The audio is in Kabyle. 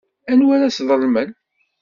Anwa ara sḍelmen?